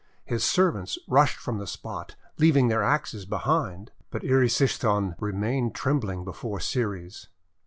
His servants rushed from the spot, leaving their axes behind. But Erysichthon remained trembling before Ceres.